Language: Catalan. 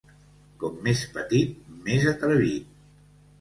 Com més petit, més atrevit.